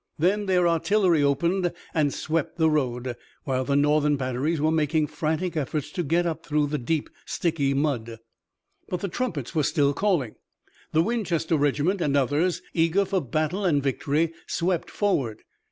Then their artillery opened and swept the road, while the Northern batteries were making frantic efforts to get up through the deep, sticky mud. But the trumpets were still calling. The Winchester regiment and others, eager for battle and victory, swept forward.